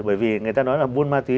bởi vì người ta nói là buôn ma túy